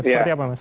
seperti apa mas